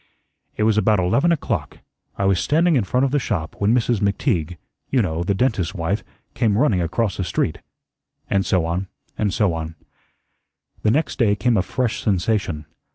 "It was about eleven o'clock. I was standing in front of the shop, when Mrs. McTeague you know, the dentist's wife came running across the street," and so on and so on. The next day came a fresh sensation.